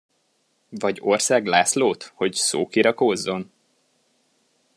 Vagy Országh Lászlót, hogy szókirakózzon?